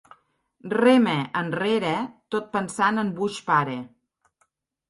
Rema enrere tot pensant en Bush pare.